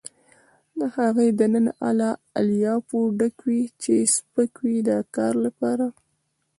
د هغې دننه له الیافو ډک وي چې سپک وي د کار لپاره.